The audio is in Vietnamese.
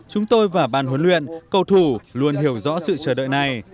chúng tôi và bàn huấn luyện cầu thủ luôn hiểu rõ sự chờ đợi này